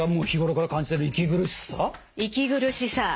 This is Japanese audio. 日頃から感じている息苦しさ。